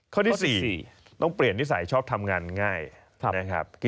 เค้าที่๔ต้องเปลี่ยนนิสัยชอบทำงานง่าย